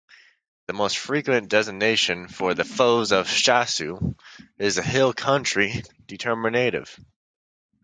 The most frequent designation for the "foes of Shasu" is the hill-country determinative.